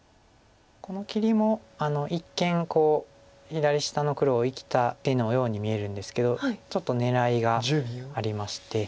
この切りも一見左下の黒を生きた手のように見えるんですけどちょっと狙いがありまして。